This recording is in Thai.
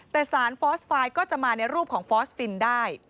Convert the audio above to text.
แต่สารฟอสไฟล์ก็จะมาในรูปของฟอสฟินได้